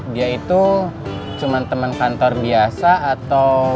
dia itu cuman temen kantor biasa atau